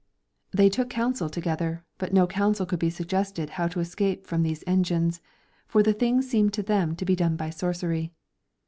They took counsel together, but no counsel could be suggested how to escape from these engines, for the thing seemed to them to be done by sorcery.